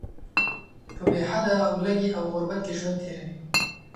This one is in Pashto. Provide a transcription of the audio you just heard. په بې حده ولږې او غربت کې ژوند تیروي.